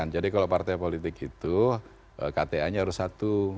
jadi kalau partai politik itu kta nya harus satu